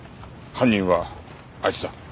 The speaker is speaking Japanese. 犯人はあいつだ。